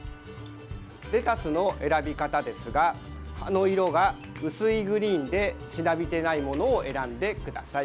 レタスの選び方ですが葉の色が薄いグリーンでしなびてないものを選んでください。